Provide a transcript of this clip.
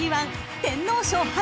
ＧⅠ天皇賞］